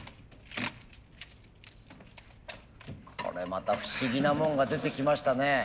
これまた不思議なもんが出てきましたね。